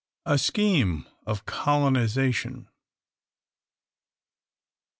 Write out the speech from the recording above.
A SCHEME OF COLONISATION.